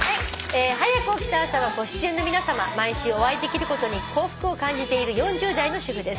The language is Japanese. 「『はやく起きた朝は』ご出演の皆さま」「毎週お会いできることに幸福を感じている４０代の主婦です」